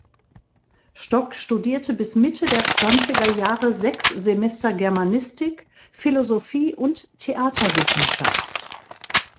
Stock studierte bis Mitte der zwanziger Jahre sechs Semester Germanistik, Philosophie und Theaterwissenschaft.